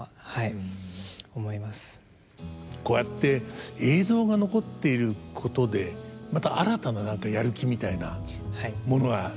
こうやって映像が残っていることでまた新たな何かやる気みたいなものが出てきますよね。